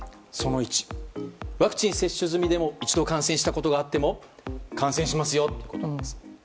その１、ワクチン接種済みでも一度感染したことがあっても感染しますよということなんです。